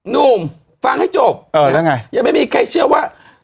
หนุ่มฟังให้จบยังไม่มีใครเชื่อว่า